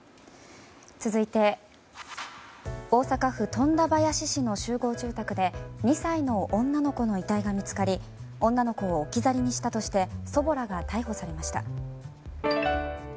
続いて、大阪府富田林市の集合住宅で２歳の女の子の遺体が見つかり女の子を置き去りにしたとして祖母らが逮捕されました。